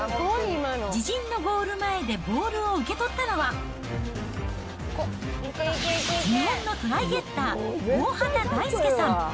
自陣のゴール前でボールを受け取ったのは、日本のトライゲッター、大畑大介さん。